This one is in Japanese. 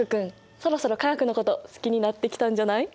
そろそろ化学のこと好きになってきたんじゃない？